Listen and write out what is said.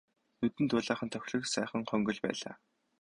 Нүдэнд дулаахан тохилог сайхан хонгил байлаа.